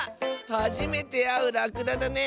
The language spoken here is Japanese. はじめてあうらくだだね！